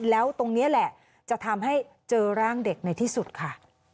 แล้วตรงนี้แหละจะทำให้เจอร่างเด็กในที่สุดค่ะ